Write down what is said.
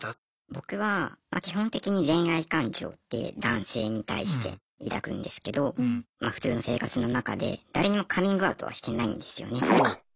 僕は基本的に恋愛感情って男性に対して抱くんですけどま普通の生活の中で誰にもカミングアウトはしてないんですよね。